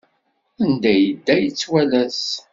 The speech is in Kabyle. Anda yedda ad yettwalas.